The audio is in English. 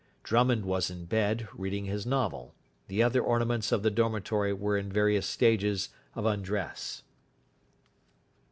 Drummond was in bed, reading his novel. The other ornaments of the dormitory were in various stages of undress.